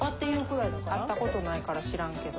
会った事ないから知らんけど。